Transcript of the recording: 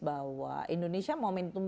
bahwa indonesia momentum